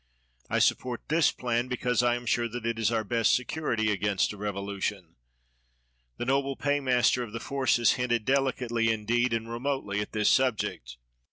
I support this plan, because I am sure that it is our best security against a revolution. The noble paymaster of the forces hinted, delicately indeed and remotely, at this subject.